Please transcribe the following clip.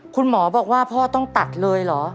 คุณหมอบอกว่าพ่อต้องตัดเลยเหรอ